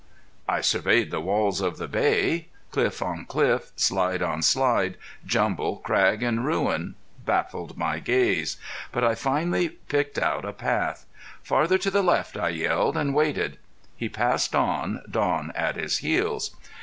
I surveyed the walls of the Bay. Cliff on cliff, slide on slide, jumble, crag, and ruin, baffled my gaze. But I finally picked out a path. "Farther to the left," I yelled, and waited. He passed on, Don at his heels.